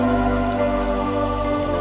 dinda tidak percaya